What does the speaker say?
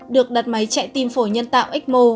được đặt máy chạy tim phổi nhân tạo ecmo